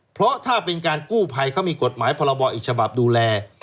เพราะถ้าเป็นการกู้ภัยเขามีกฎหมายพรบอีกฉบับดูแล